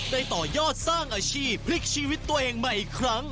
ต่อยอดสร้างอาชีพพลิกชีวิตตัวเองใหม่อีกครั้ง